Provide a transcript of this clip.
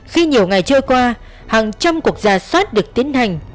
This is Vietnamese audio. khi nhiều ngày trôi qua hàng trăm quốc gia soát được tiến hành